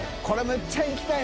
めっちゃ行きたい。